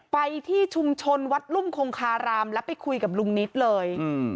ไปที่ชุมชนวัดรุ่มคงคารามแล้วไปคุยกับลุงนิดเลย